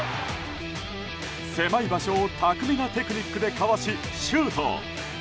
狭い場所を巧みなテクニックでかわし、シュート。